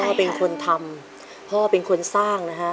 พ่อเป็นคนทำพ่อเป็นคนสร้างนะฮะ